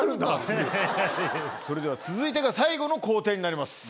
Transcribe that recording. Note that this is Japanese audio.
それでは続いてが最後の工程になります。